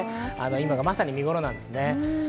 まさに見頃なんですね。